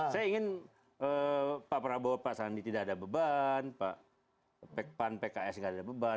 saya ingin pak prabowo pak sandi tidak ada beban pak pan pks tidak ada beban